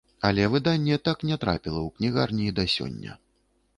Але выданне так не трапіла ў кнігарні і да сёння.